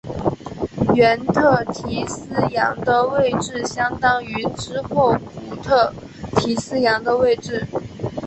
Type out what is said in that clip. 原特提斯洋的位置相当于之后古特提斯洋的位置。